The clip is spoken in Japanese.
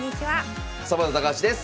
サバンナ高橋です。